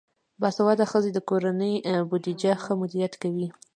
باسواده ښځې د کورنۍ بودیجه ښه مدیریت کوي.